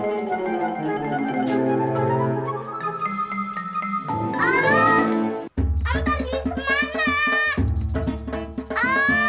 om pergi kemana